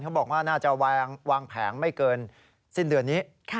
บอกว่าน่าจะวางแผงไม่เกินสิ้นเดือนนี้